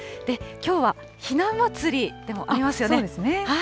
きょうは、ひな祭りでもありますよね。